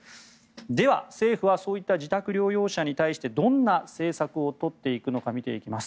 では、政府はそういった自宅療養者に対してどんな政策を取っていくのか見ていきます。